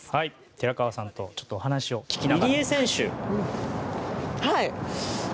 寺川さんとお話を聞きながら。